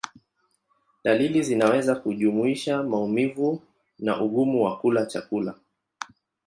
Dalili zinaweza kujumuisha maumivu na ugumu wa kula chakula.